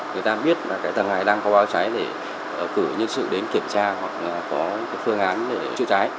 người ta biết là cái tầng này đang có báo cháy để cử nhân sự đến kiểm tra hoặc là có cái phương án để chữa cháy